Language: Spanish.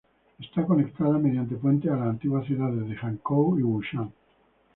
Está conectada mediante puentes a las antiguas ciudades de Hankou y Wuchang.